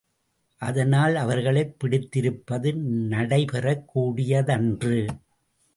அதனால் அவர்களைப் பிடித்திருப்பது நடைபெறக்கூடியதன்று.